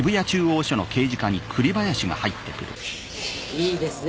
・いいですね